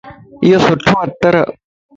ايو سھڻو عطرَ